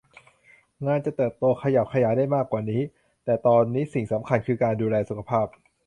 งานจะเติบโตขยับขยายได้มากกว่านี้ แต่ตอนนี้สิ่งสำคัญคือการดูแลสุขภาพ